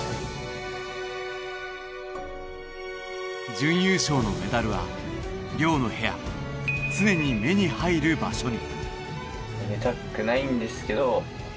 準優勝のメダルは寮の部屋常に目に入る場所に。